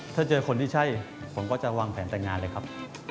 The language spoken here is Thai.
ถ้าเจอคนที่ใช่ผมก็จะวางแผนแต่งงานเลยครับ